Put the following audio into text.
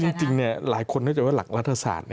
จริงหลายคนเข้าใจว่าหลักรัฐศาสตร์